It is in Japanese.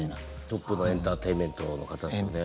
トップのエンターテインメントの方ですよね。